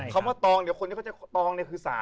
คำว่าตองเดี๋ยวคนที่เขาจะตองเนี่ยคือ๓